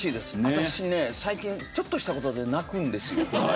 私ね最近ちょっとした事で泣くんですよ。